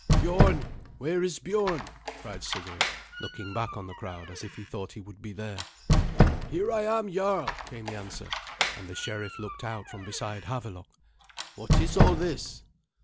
"Biorn! where is Biorn?" cried Sigurd, looking back on the crowd as if he thought he would be there. "Here am I, jarl," came the answer, and the sheriff looked out from beside Havelok. "What is all this?"